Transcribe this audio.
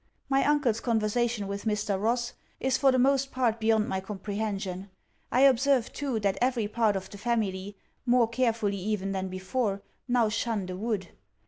My uncle's conversation with Mr. Ross is for the most part beyond my comprehension. I observe too, that every part of the family, more carefully even than before, now shun the wood.